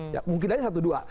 ya mungkin aja satu dua